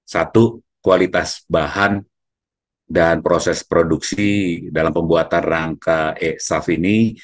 satu kualitas bahan dan proses produksi dalam pembuatan rangka saf ini